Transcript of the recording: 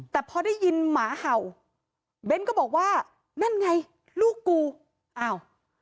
แต่พอได้ยินหมาเห่าเบ้นก็บอกว่านั่นไงลูกกูอ้าว